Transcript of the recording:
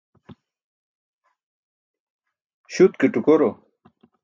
Śut ke tukoro.